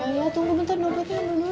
iya tunggu bentar nopetnya dulu